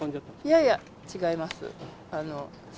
いやいや、違います。笑